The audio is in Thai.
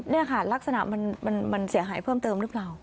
นี่ค่ะลักษณะมันเสียหายเพิ่มเติมหรือเปล่า